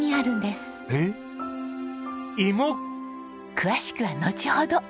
詳しくはのちほど。